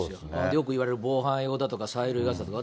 よくいわれる防犯用だとか、催涙ガスだとか。